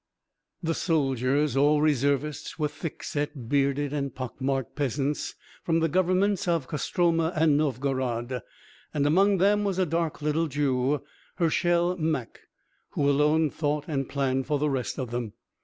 The soldiers, all reservists, were thick set, bearded and pock marked peasants from the governments of Kostroma and Novgorod and among them, was a dark little Jew, Hershel Mak, who alone thought and planned for the rest of them.